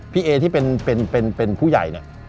พี่เอที่เป็นผู้ใหญ่เนี่ย